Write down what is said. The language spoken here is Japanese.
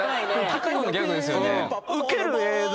高い方のギャグですよね。